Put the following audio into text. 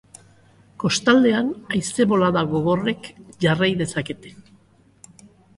Kostaldean, haize-bolada gogorrek jarrai dezakete.